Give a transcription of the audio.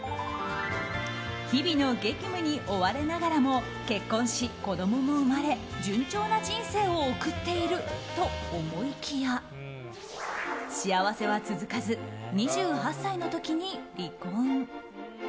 日々の激務に追われながらも結婚し、子供も生まれ順調な人生を送っていると思いきや幸せは続かず２８歳の時に離婚。